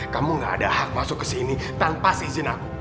kamu gak ada hak masuk ke sini tanpa seizin aku